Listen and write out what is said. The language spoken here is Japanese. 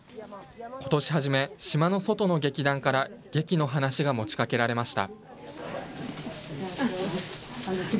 ことし初め、島の外の劇団から劇の話が持ちかけられました。